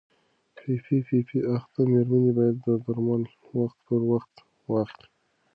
پي پي پي اخته مېرمنې باید درمل وخت پر وخت واخلي.